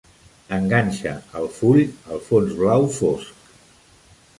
Enganxa el full al fons blau fosc.